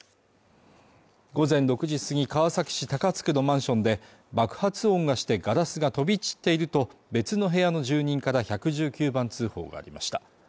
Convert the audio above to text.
午前６時過ぎ川崎市高津区のマンションで爆発音がしてガラスが飛び散っていると別の部屋の住人から１１９番通報がありました